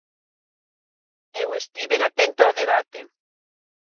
Eu estiven atento ao debate.